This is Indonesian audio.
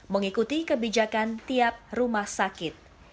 mengikuti kebijakan tiap rumah sakit